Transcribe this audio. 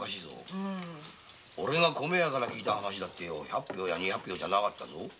オレが米屋から聞いた話だって百俵や二百じゃなかったぞ！